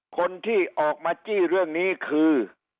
คนที่ออกมาจี้เรื่องนี้คือ